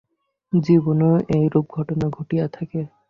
জীবনেও এইরূপ ঘটনা ঘটিয়া থাকে।